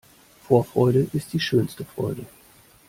Vorfreude ist die schönste Freude.